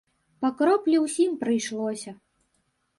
Па кроплі ўсім прыйшлося.